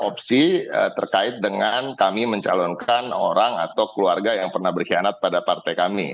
opsi terkait dengan kami mencalonkan orang atau keluarga yang pernah berkhianat pada partai kami